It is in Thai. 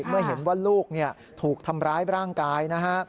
เมื่อเห็นว่าลูกถูกทำร้ายร่างกายนะฮะ